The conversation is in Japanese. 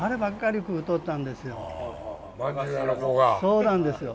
そうなんですよ。